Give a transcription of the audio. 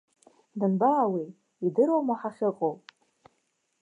Данбаауеи, идыруама ҳахьыҟоу?!